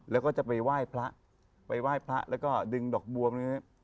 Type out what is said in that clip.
แล้วก็จะไปว่ายพระไปว่ายพระแล้วก็ดึงดอกบวง